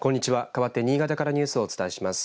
かわって新潟からニュースをお伝えします。